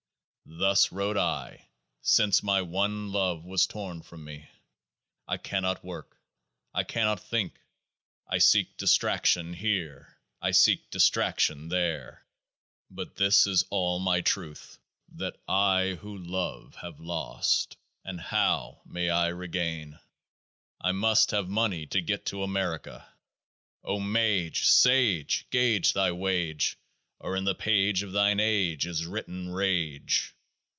Thus wrote I, since my One Love was torn from me. I cannot work : I cannot think : I seek distraction here : I seek distraction there : but this is all my truth, that / who love have lost ; and how may I regain ? I must have money to get to America. O Mage ! Sage ! Gauge thy Wage, or in the Page of Thine Age is written Rage